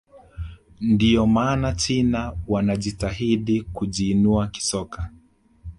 ndio maana china wanajitahidi kujiinua kisoka